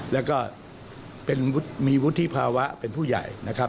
แล้วก็มีวุฒิภาวะเป็นผู้ใหญ่นะครับ